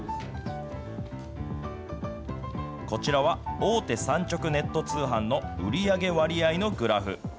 こちらは大手産直ネット通販の売り上げ割合のグラフ。